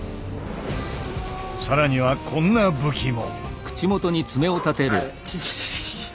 更にはこんな武器も。